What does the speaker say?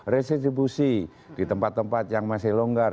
resistribusi di tempat tempat yang masih longgar